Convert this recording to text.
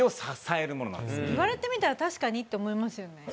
言われてみたら確かにって思いますよね。